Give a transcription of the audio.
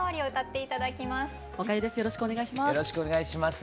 よろしくお願いします。